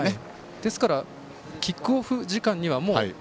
ですからキックオフ時間には。